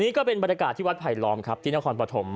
นี่ก็เป็นบรรยากาศที่วัดไผลล้อมครับที่นครปฐม